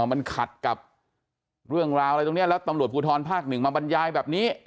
มันขัดกับเรื่องราวอะไรตรงนี้แล้วตำรวจภูทรภาคหนึ่งมาบรรยายแบบนี้